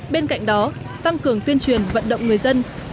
bên cạnh đó tăng cường tuyên truyền vận động người dân cảnh giác với dân